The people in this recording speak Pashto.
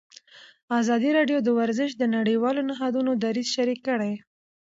ازادي راډیو د ورزش د نړیوالو نهادونو دریځ شریک کړی.